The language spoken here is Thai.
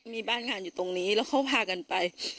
มีบ้านงานอยู่ตรงนี้แล้วเขาพากันไป